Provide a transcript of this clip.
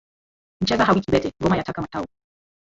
Mcheza hawi kiwete, ngoma yataka matao